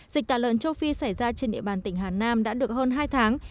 dịch tả lợn châu phi xảy ra trên địa bàn tỉnh hà nam đã được hơn hai tháng